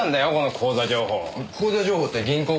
口座情報って銀行口座の？